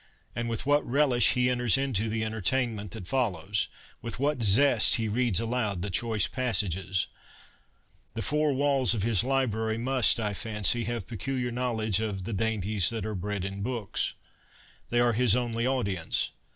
And with what relish he enters into the entertainment that follows ! With what zest he reads aloud the choice passages ! The four walls of his library must, I fancy, have peculiar knowledge of ' the dainties that are bred in books.' They are his only audience.